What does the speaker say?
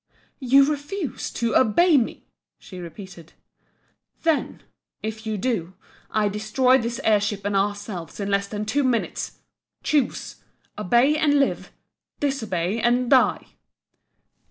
"You refuse to obey me?" she repeated "Then if you do I destroy this air ship and ourselves in less than two minutes! Choose! Obey, and live! disobey and die!"